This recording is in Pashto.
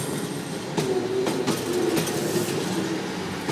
مېرمن د نارینه لپاره نیم ایمان دی